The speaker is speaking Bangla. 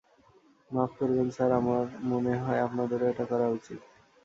মাফ করবেন স্যার, আমার মনে হয় আপনাদেরও এটা করা উচিত।